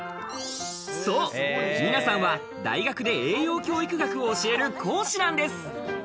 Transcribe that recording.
そう、ミナさんは大学で栄養教育学を教える講師なんです。